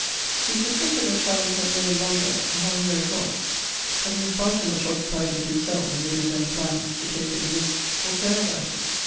He suspected that Charlotte had known longer how near it was ; but he was far too much occupied with himself, and with his own plans, to take it amiss, or care about it.